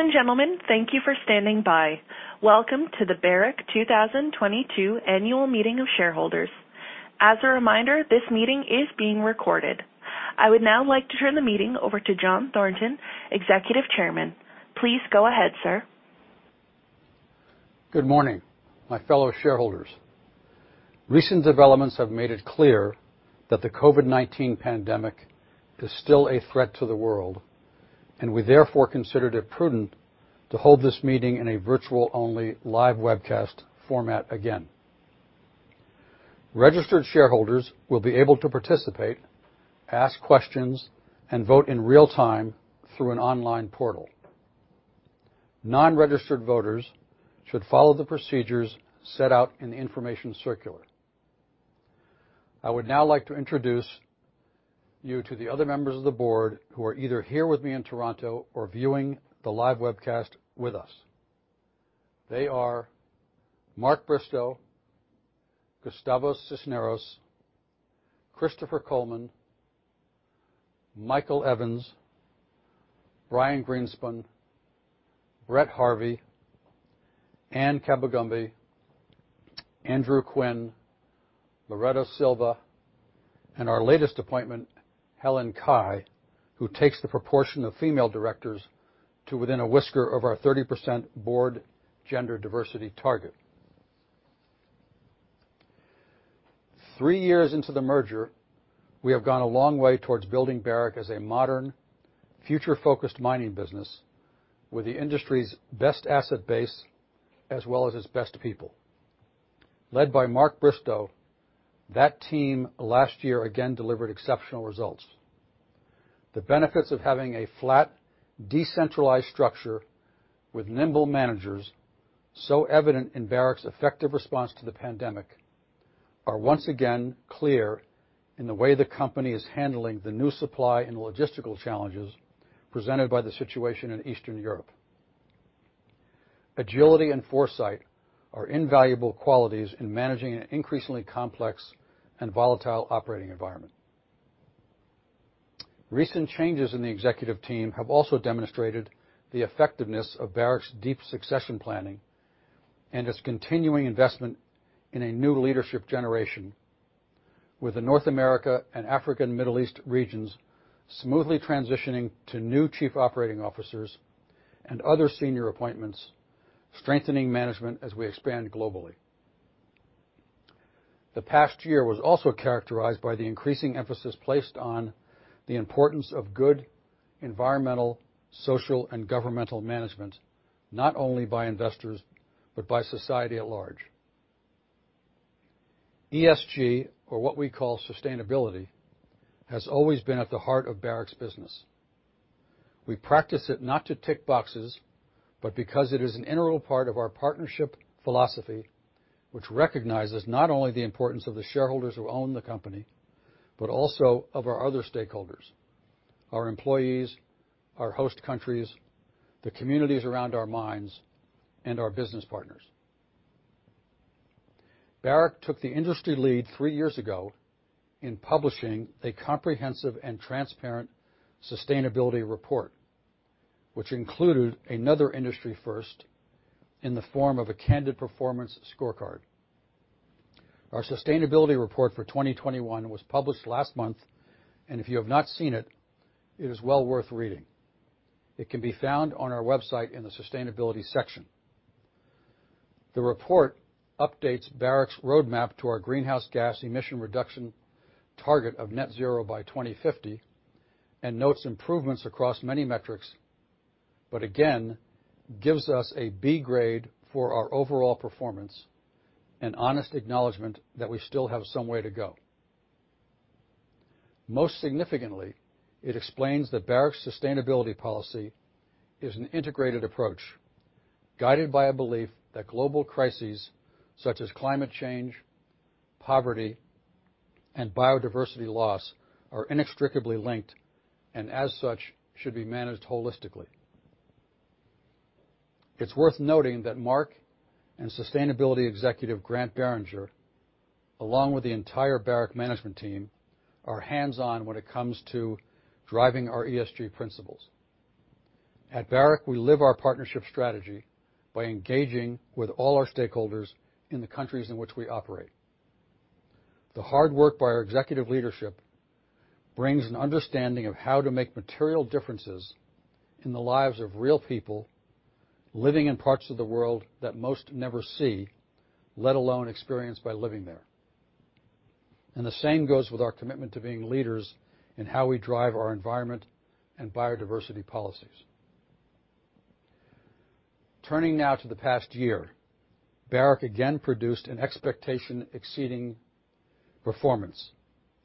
Ladies and gentlemen, thank you for standing by. Welcome to the Barrick 2022 Annual Meeting of Shareholders. As a reminder, this meeting is being recorded. I would now like to turn the meeting over to John Thornton, Executive Chairman. Please go ahead, sir. Good morning, my fellow shareholders. Recent developments have made it clear that the COVID-19 pandemic is still a threat to the world, and we therefore considered it prudent to hold this meeting in a virtual only live webcast format again. Registered shareholders will be able to participate, ask questions, and vote in real time through an online portal. Non-registered voters should follow the procedures set out in the information circular. I would now like to introduce you to the other members of the board who are either here with me in Toronto or viewing the live webcast with us. They are Mark Bristow, Gustavo Cisneros, Christopher Coleman, Michael Evans, Brian Greenspun, Brett Harvey, Anne Kabagambe, Andrew Quinn, Loreto Silva, and our latest appointment, Helen Cai, who takes the proportion of female directors to within a whisker of our 30% board gender diversity target. Three years into the merger, we have gone a long way towards building Barrick as a modern, future-focused mining business with the industry's best asset base as well as its best people. Led by Mark Bristow, that team last year again delivered exceptional results. The benefits of having a flat, decentralized structure with nimble managers so evident in Barrick's effective response to the pandemic are once again clear in the way the company is handling the new supply and logistical challenges presented by the situation in Eastern Europe. Agility and foresight are invaluable qualities in managing an increasingly complex and volatile operating environment. Recent changes in the executive team have also demonstrated the effectiveness of Barrick's deep succession planning and its continuing investment in a new leadership generation with the North America and Africa and Middle East regions smoothly transitioning to new chief operating officers and other senior appointments, strengthening management as we expand globally. The past year was also characterized by the increasing emphasis placed on the importance of good environmental, social, and governance management, not only by investors, but by society at large. ESG, or what we call sustainability, has always been at the heart of Barrick's business. We practice it not to tick boxes, but because it is an integral part of our partnership philosophy, which recognizes not only the importance of the shareholders who own the company, but also of our other stakeholders, our employees, our host countries, the communities around our mines, and our business partners. Barrick took the industry lead three years ago in publishing a comprehensive and transparent sustainability report, which included another industry first in the form of a candid performance scorecard. Our sustainability report for 2021 was published last month, and if you have not seen it is well worth reading. It can be found on our website in the sustainability section. The report updates Barrick's roadmap to our greenhouse gas emission reduction target of net zero by 2050 and notes improvements across many metrics, but again, gives us a B grade for our overall performance, an honest acknowledgment that we still have some way to go. Most significantly, it explains that Barrick's sustainability policy is an integrated approach, guided by a belief that global crises such as climate change, poverty, and biodiversity loss are inextricably linked, and as such, should be managed holistically. It's worth noting that Mark and sustainability executive Grant Beringer, along with the entire Barrick management team, are hands-on when it comes to driving our ESG principles. At Barrick, we live our partnership strategy by engaging with all our stakeholders in the countries in which we operate. The hard work by our executive leadership brings an understanding of how to make material differences in the lives of real people living in parts of the world that most never see, let alone experience by living there. The same goes with our commitment to being leaders in how we drive our environmental and biodiversity policies. Turning now to the past year, Barrick again produced expectations-exceeding performance,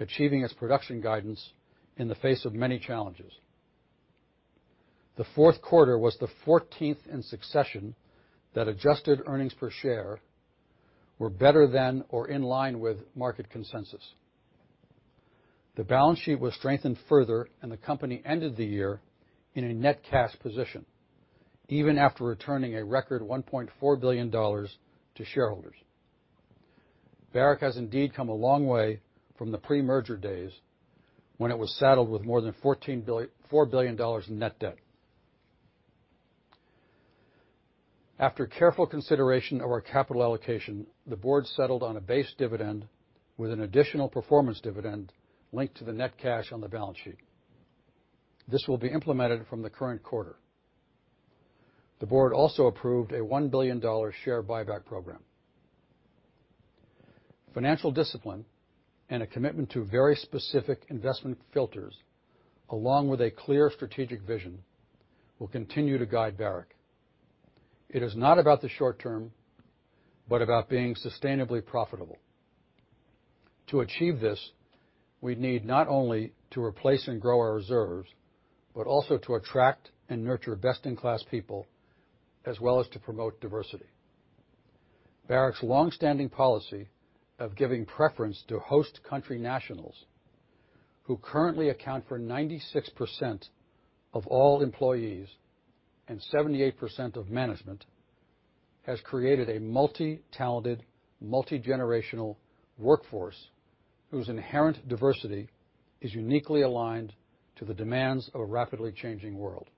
achieving its production guidance in the face of many challenges. The Q4 was the 14th in succession that adjusted earnings per share were better than or in line with market consensus. The balance sheet was strengthened further and the company ended the year in a net cash position even after returning a record $1.4 billion to shareholders. Barrick has indeed come a long way from the pre-merger days when it was saddled with more than $4 billion in net debt. After careful consideration of our capital allocation, the board settled on a base dividend with an additional performance dividend linked to the net cash on the balance sheet. This will be implemented from the current quarter. The board also approved a $1 billion share buyback program. Financial discipline and a commitment to very specific investment filters, along with a clear strategic vision, will continue to guide Barrick. It is not about the short term, but about being sustainably profitable. To achieve this, we need not only to replace and grow our reserves, but also to attract and nurture best-in-class people, as well as to promote diversity. Barrick's longstanding policy of giving preference to host country nationals, who currently account for 96% of all employees and 78% of management, has created a multi-talented, multi-generational workforce whose inherent diversity is uniquely aligned to the demands of a rapidly changing world.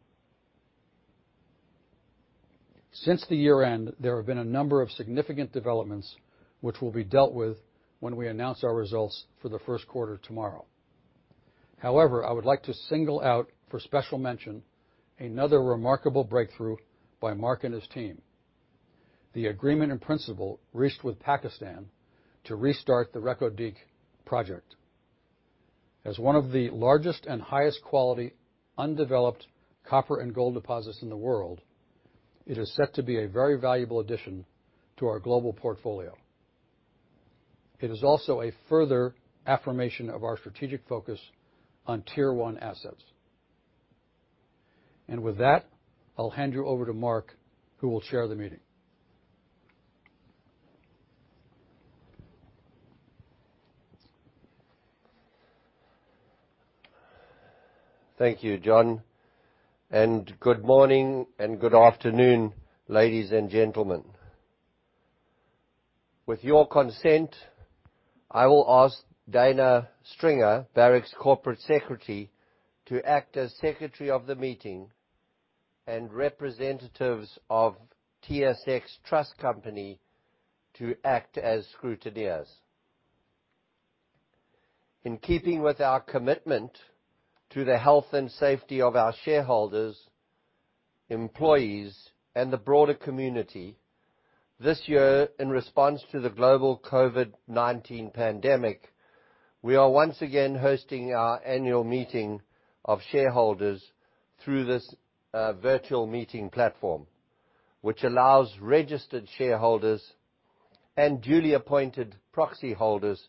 Since the year-end, there have been a number of significant developments which will be dealt with when we announce our results for the Q1 tomorrow. However, I would like to single out for special mention another remarkable breakthrough by Mark and his team, the agreement in principle reached with Pakistan to restart the Reko Diq project. As one of the largest and highest quality undeveloped copper and gold deposits in the world, it is set to be a very valuable addition to our global portfolio. It is also a further affirmation of our strategic focus on Tier One assets. With that, I'll hand you over to Mark, who will chair the meeting. Thank you, John, and good morning and good afternoon, ladies and gentlemen. With your consent, I will ask Dana Stringer, Barrick's Corporate Secretary, to act as secretary of the meeting and representatives of TSX Trust Company to act as scrutineers. In keeping with our commitment to the health and safety of our shareholders, employees, and the broader community, this year, in response to the global COVID-19 pandemic, we are once again hosting our annual meeting of shareholders through this virtual meeting platform, which allows registered shareholders and duly appointed proxy holders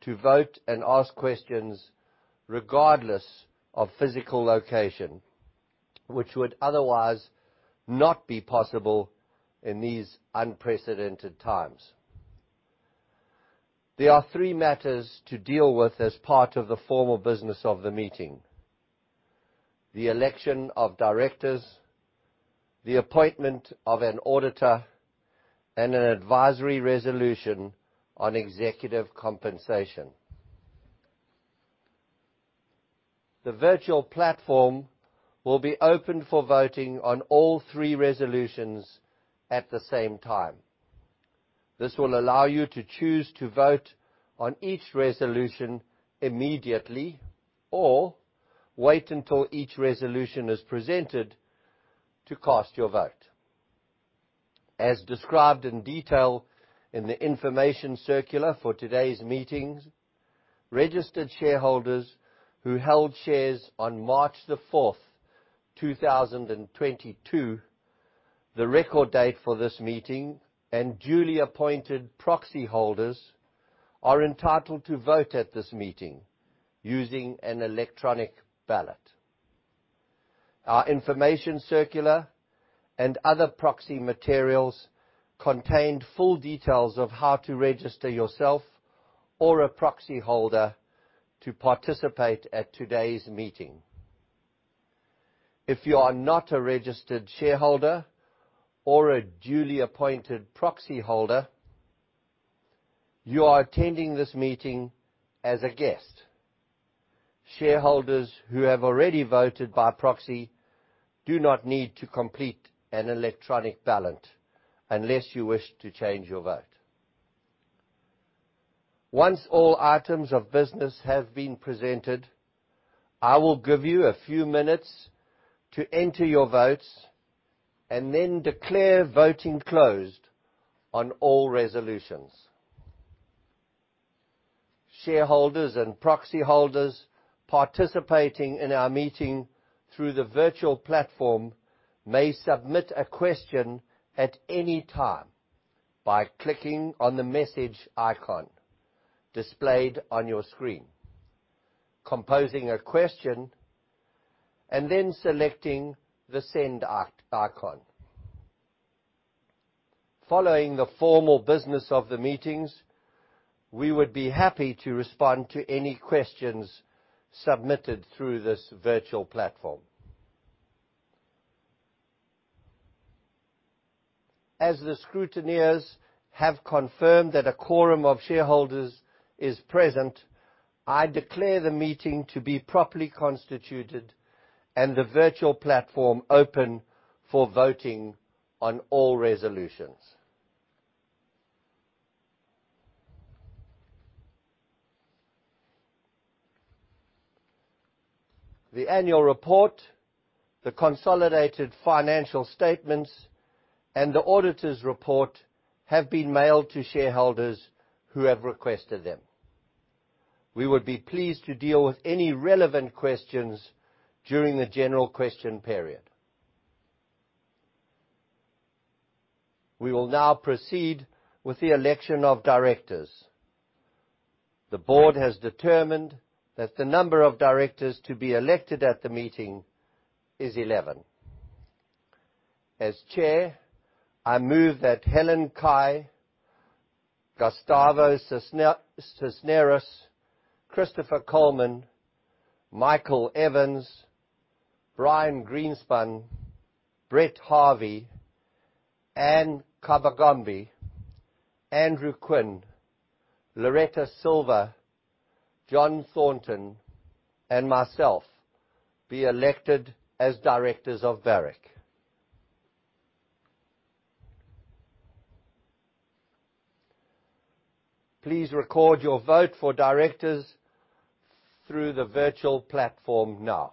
to vote and ask questions regardless of physical location, which would otherwise not be possible in these unprecedented times. There are three matters to deal with as part of the formal business of the meeting, the election of directors, the appointment of an auditor, and an advisory resolution on executive compensation. The virtual platform will be open for voting on all three resolutions at the same time. This will allow you to choose to vote on each resolution immediately or wait until each resolution is presented to cast your vote. As described in detail in the information circular for today's meetings, registered shareholders who held shares on March 4, 2022, the record date for this meeting, and duly appointed proxy holders are entitled to vote at this meeting using an electronic ballot. Our information circular and other proxy materials contained full details of how to register yourself or a proxy holder to participate at today's meeting. If you are not a registered shareholder or a duly appointed proxy holder, you are attending this meeting as a guest. Shareholders who have already voted by proxy do not need to complete an electronic ballot unless you wish to change your vote. Once all items of business have been presented, I will give you a few minutes to enter your votes and then declare voting closed on all resolutions. Shareholders and proxy holders participating in our meeting through the virtual platform may submit a question at any time by clicking on the message icon displayed on your screen, composing a question, and then selecting the send icon. Following the formal business of the meetings, we would be happy to respond to any questions submitted through this virtual platform. As the scrutineers have confirmed that a quorum of shareholders is present, I declare the meeting to be properly constituted and the virtual platform open for voting on all resolutions. The annual report, the consolidated financial statements, and the auditor's report have been mailed to shareholders who have requested them. We would be pleased to deal with any relevant questions during the general question period. We will now proceed with the election of directors. The board has determined that the number of directors to be elected at the meeting is 11. As chair, I move that Helen Cai, Gustavo Cisneros, Christopher Coleman, Michael Evans, Brian Greenspun, Brett Harvey, Anne Kabagambe, Andrew Quinn, Loreto Silva, John Thornton, and myself be elected as directors of Barrick. Please record your vote for directors through the virtual platform now.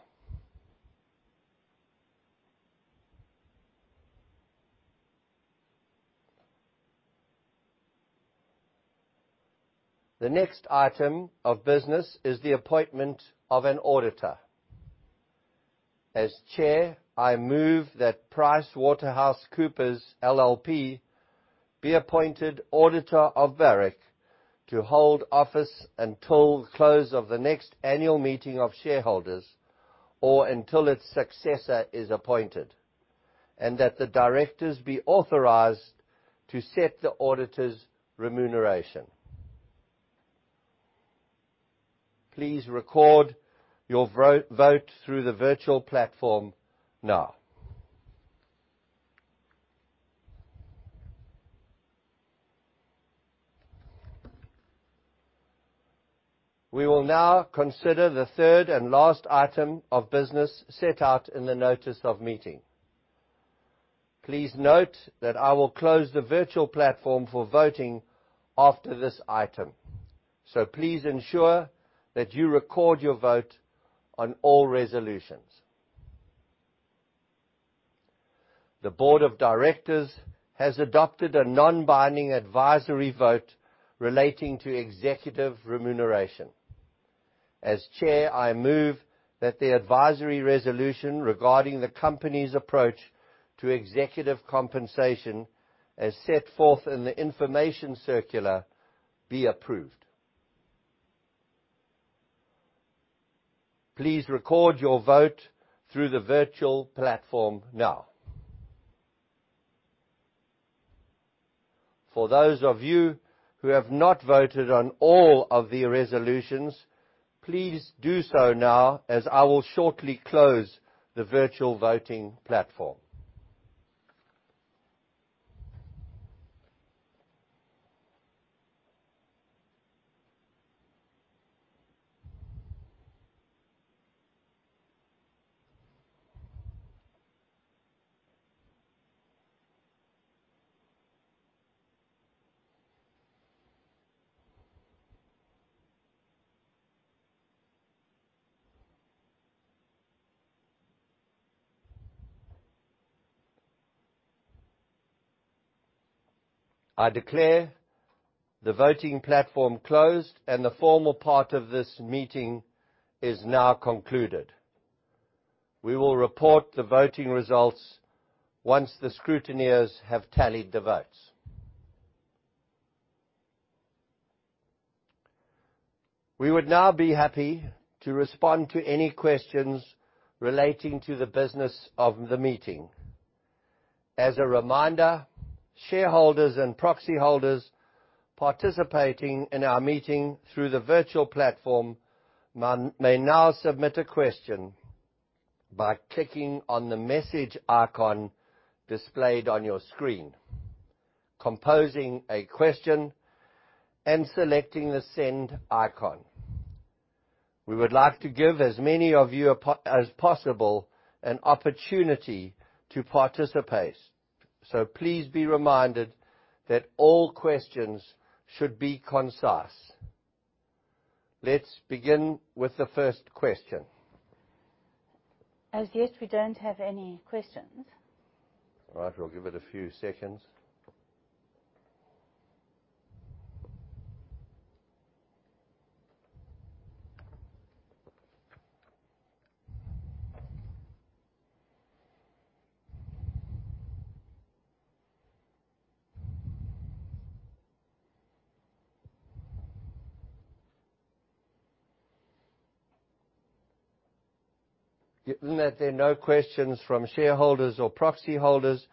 The next item of business is the appointment of an auditor. As chair, I move that PricewaterhouseCoopers LLP be appointed auditor of Barrick to hold office until close of the next annual meeting of shareholders or until its successor is appointed, and that the directors be authorized to set the auditor's remuneration. Please record your vote through the virtual platform now. We will now consider the third and last item of business set out in the notice of meeting. Please note that I will close the virtual platform for voting after this item, so please ensure that you record your vote on all resolutions. The board of directors has adopted a non-binding advisory vote relating to executive remuneration. As chair, I move that the advisory resolution regarding the company's approach to executive compensation, as set forth in the information circular, be approved. Please record your vote through the virtual platform now. For those of you who have not voted on all of the resolutions, please do so now, as I will shortly close the virtual voting platform. I declare the voting platform closed, and the formal part of this meeting is now concluded. We will report the voting results once the scrutineers have tallied the votes. We would now be happy to respond to any questions relating to the business of the meeting. As a reminder, shareholders and proxy holders participating in our meeting through the virtual platform may now submit a question by clicking on the message icon displayed on your screen, composing a question, and selecting the send icon. We would like to give as many of you as possible an opportunity to participate, so please be reminded that all questions should be concise. Let's begin with the first question. As yet, we don't have any questions. All right. We'll give it a few seconds. Given that there are no questions from shareholders or proxy holders,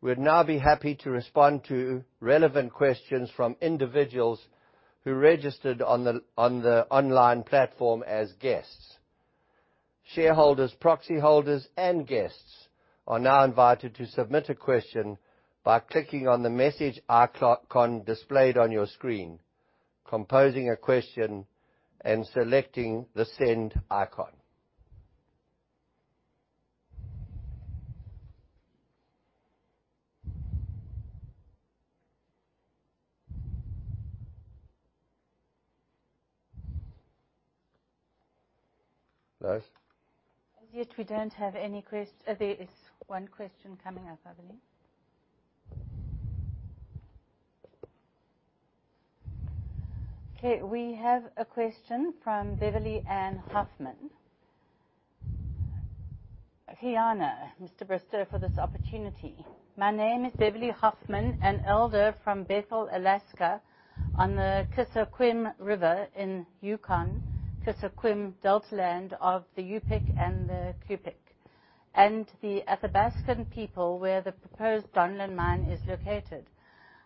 we'd now be happy to respond to relevant questions from individuals who registered on the online platform as guests. Shareholders, proxy holders, and guests are now invited to submit a question by clicking on the message icon displayed on your screen, composing a question, and selecting the send icon. Liz? As yet, we don't have any. There is one question coming up, I believe. Okay, we have a question from Beverly Ann Huffman. "Qujana, Mr. Bristow, for this opportunity. My name is Beverly Huffman, an elder from Bethel, Alaska, on the Kuskokwim River in Yukon-Kuskokwim Delta land of the Yup'ik and the Cup'ik, and the Athabascan people, where the proposed Donlin Mine is located.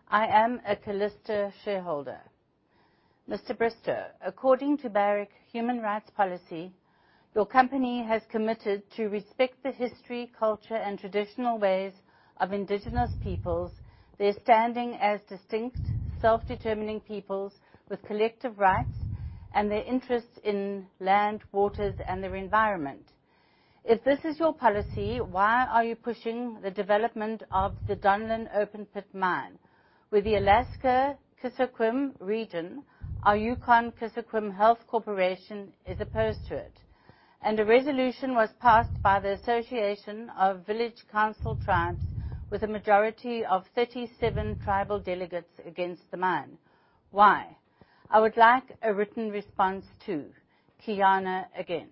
I am a Calista shareholder. Mr. Bristow, according to Barrick Human Rights policy, your company has committed to respect the history, culture, and traditional ways of indigenous peoples, their standing as distinct self-determining peoples with collective rights and their interest in land, waters, and their environment. If this is your policy, why are you pushing the development of the Donlin Open Pit Mine? With the Yukon-Kuskokwim Region, our Yukon-Kuskokwim Health Corporation is opposed to it, and a resolution was passed by the Association of Village Council Presidents with a majority of 37 tribal delegates against the mine. Why? I would like a written response, too. Qujana again.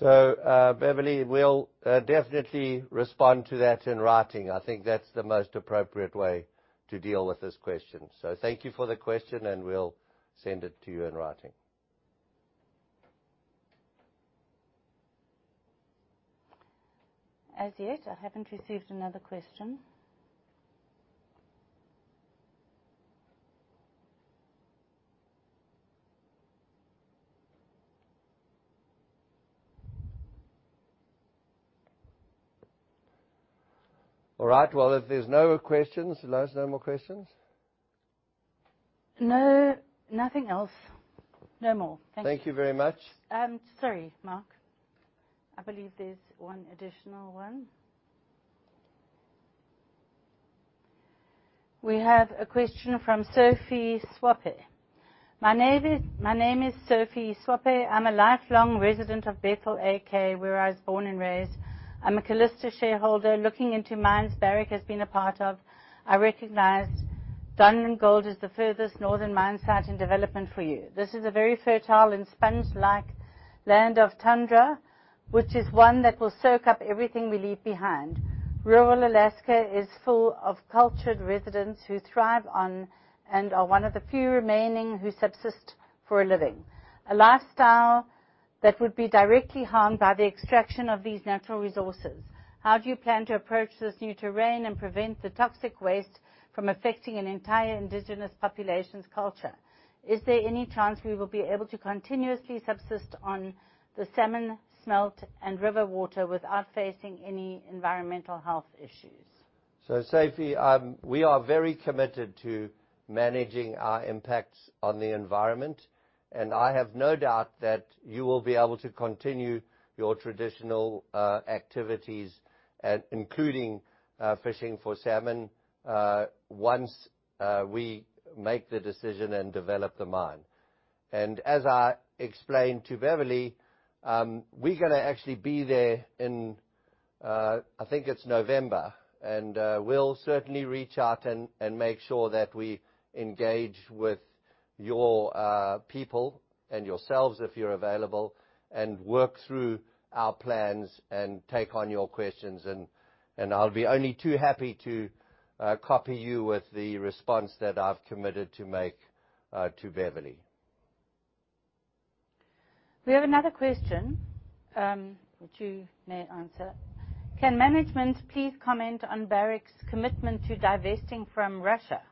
Beverly, we'll definitely respond to that in writing. I think that's the most appropriate way to deal with this question. Thank you for the question, and we'll send it to you in writing. As yet, I haven't received another question. All right. Well, if there's no questions, Liz, no more questions? No, nothing else. No more. Thank you. Thank you very much. Sorry, Mark. I believe there's one additional one. We have a question from Sophie Swope. "My name is Sophie Swope. I'm a lifelong resident of Bethel, AK, where I was born and raised. I'm a Calista shareholder. Looking into mines Barrick has been a part of, I recognize Donlin Gold is the furthest northern mine site in development for you. This is a very fertile and sponge-like land of tundra, which is one that will soak up everything we leave behind. Rural Alaska is full of cultured residents who thrive on and are one of the few remaining who subsist for a living, a lifestyle that would be directly harmed by the extraction of these natural resources. How do you plan to approach this new terrain and prevent the toxic waste from affecting an entire indigenous population's culture? Is there any chance we will be able to continuously subsist on the salmon, smelt, and river water without facing any environmental health issues? Sophie, we are very committed to managing our impacts on the environment, and I have no doubt that you will be able to continue your traditional activities, including fishing for salmon, once we make the decision and develop the mine. As I explained to Beverly, we're gonna actually be there in, I think, November. We'll certainly reach out and make sure that we engage with your people and yourselves if you're available, and work through our plans and take on your questions. I'll be only too happy to copy you with the response that I've committed to make to Beverly. We have another question, which you may answer. Can management please comment on Barrick's commitment to divesting from Russia?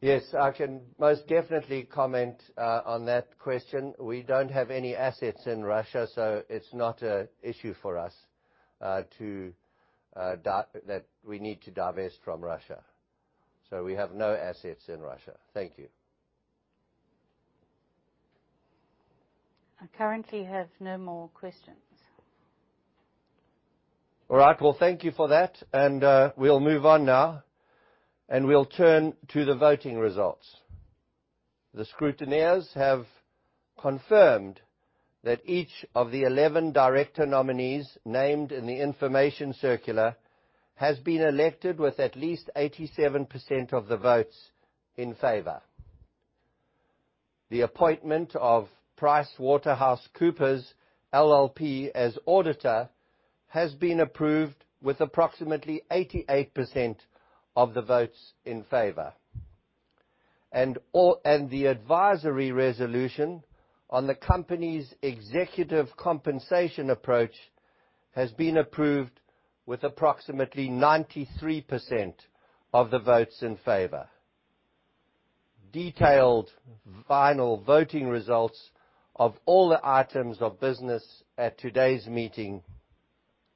Yes, I can most definitely comment on that question. We don't have any assets in Russia, so it's not an issue for us that we need to divest from Russia. We have no assets in Russia. Thank you. I currently have no more questions. All right. Well, thank you for that. We'll move on now, and we'll turn to the voting results. The scrutineers have confirmed that each of the 11 director nominees named in the information circular has been elected with at least 87% of the votes in favor. The appointment of PricewaterhouseCoopers LLP as auditor has been approved with approximately 88% of the votes in favor. The advisory resolution on the company's executive compensation approach has been approved with approximately 93% of the votes in favor. Detailed final voting results of all the items of business at today's meeting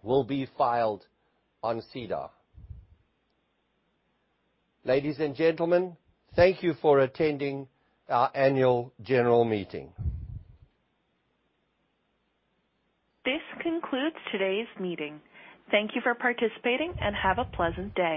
will be filed on SEDAR. Ladies and gentlemen, thank you for attending our annual general meeting. This concludes today's meeting. Thank you for participating, and have a pleasant day.